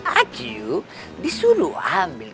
aku disuruh ambil